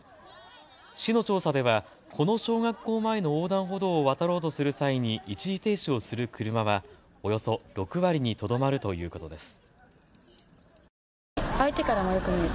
市の調査ではこの小学校前の横断歩道を渡ろうとする際に一時停止をする車はおよそ６割にとどまるということです。